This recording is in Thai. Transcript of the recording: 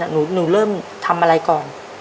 หนูเริ่มทำอะไรก่อน